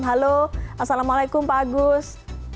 halo assalamualaikum pak agus